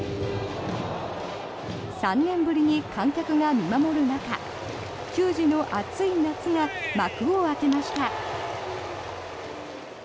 ３年ぶりに観客が見守る中球児の熱い夏が幕を開けました。